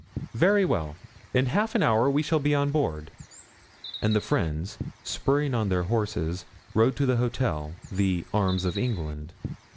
"Very well; in half an hour we shall be on board." And the friends, spurring on their horses, rode to the hotel, the "Arms of England."